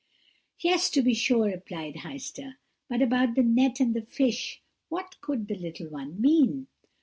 "'Yes, to be sure,' replied Heister; 'but about the net and the fish what could the little one mean?'